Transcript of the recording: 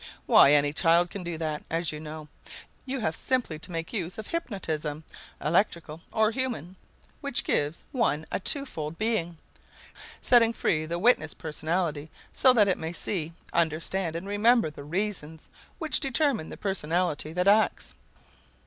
Why, any child can do that, as you know. You have simply to make use of hypnotism, electrical or human, which gives one a two fold being, setting free the witness personality so that it may see, understand, and remember the reasons which determine the personality that acts.